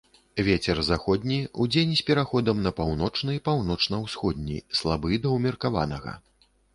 Вецер заходні, удзень з пераходам на паўночны, паўночна-ўсходні, слабы да ўмеркаванага.